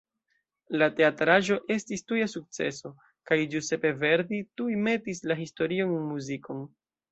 La teatraĵo estis tuja sukceso, kaj Giuseppe Verdi tuj metis la historion en muzikon.